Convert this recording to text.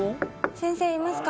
先生いますか？